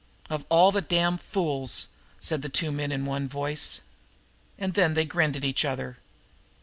"Of all the darned fools!" said the two men in one voice. And then they grinned at each other.